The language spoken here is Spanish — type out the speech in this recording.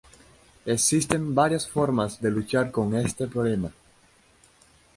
Existen varias formas de luchar contra este problema.